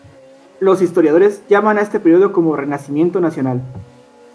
Los historiadores llaman a este periodo como "Renacimiento nacional".